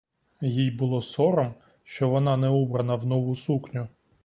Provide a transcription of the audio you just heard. Їй було сором, що вона не убрана в нову сукню.